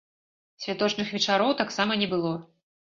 Святочных вечароў таксама не было.